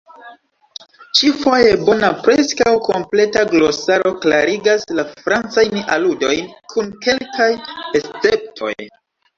Ĉi-foje bona, preskaŭ kompleta glosaro klarigas la francajn aludojn, kun kelkaj esceptoj.